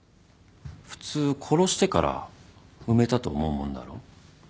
普通殺してから埋めたと思うもんだろう？